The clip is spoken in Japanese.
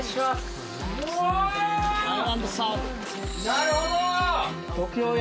なるほど！